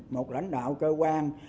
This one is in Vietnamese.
một lãnh đạo cơ quan